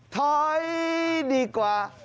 ถอยดีกว่า